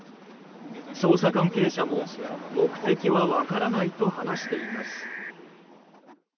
捜査関係者も目的は分からないと話しています。